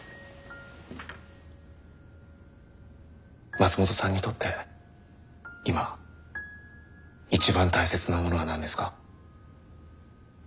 松本さんにとって今一番大切なものは何ですか？